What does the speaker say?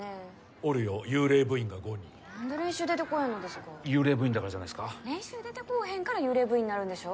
おるよ幽霊部員が５人何で練習出てこうへんのですか幽霊部員だからじゃないですか練習出てこうへんから幽霊部員になるんでしょ